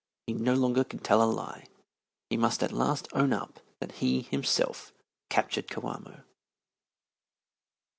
He no longer can tell a lie. He must at last own up that he himself captured Coamo.